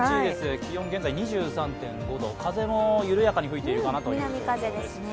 気温現在２３．５度、風も緩やかに吹いているかなという感じです。